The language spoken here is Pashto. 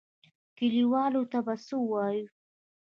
کليوالو ته به څه وايو.